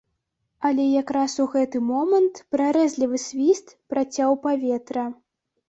Але якраз у гэты момант прарэзлівы свіст працяў паветра.